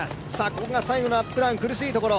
ここが最後のアップダウン、苦しいところ。